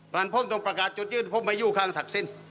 ก่อนผมต้องประกาศจุดยื่นผมไม่ยู่ข้างศักดิ์สิ้น